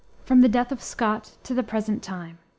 FROM THE DEATH OF SCOTT TO THE PRESENT TIME.